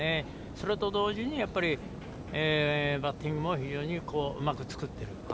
それと同時に、バッティングも非常にうまく作っている。